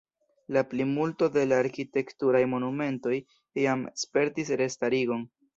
La plimulto de la arkitekturaj monumentoj jam spertis restarigon.